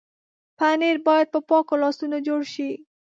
پنېر باید په پاکو لاسونو جوړ شي.